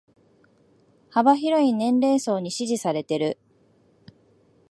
幅広い年齢層に支持されてる